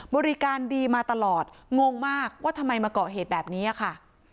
บริการดีมาตลอดงงมากว่าทำไมมาเกาะเหตุแบบนี้ค่ะ